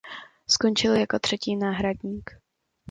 Skončil jako třetí náhradník.